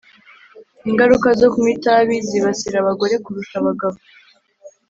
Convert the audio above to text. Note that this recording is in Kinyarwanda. Ingaruka zo kunywa itabi zibasira abagore kurusha abagabo